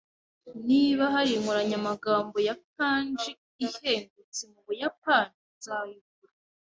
Niba hari inkoranyamagambo ya kanji ihendutse mu Buyapani, nzayigura.